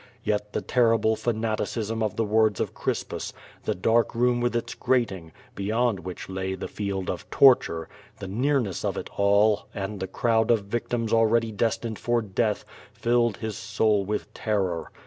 Yet the terrible fa naticism of the words of Crispus, the dark room with its grat ing, beyond which lay the field of torture, the nearness of it all, and the crowd of victims already destined for death, filled his soul with terror.